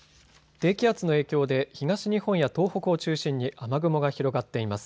低気圧の影響で東日本や東北を中心に雨雲が広がっています。